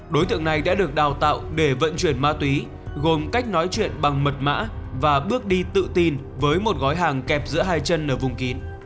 đối tượng này đã được đào tạo để vận chuyển ma túy gồm cách nói chuyện bằng mật mã và bước đi tự tin với một gói hàng kèm tiền bạc